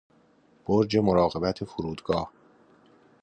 برج مراقبت فرودگاه